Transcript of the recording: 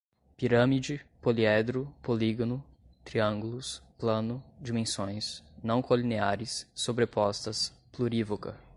pirâmide, poliedro, polígono, triângulos, plano, dimensões, não colineares, sobrepostas, plurívoca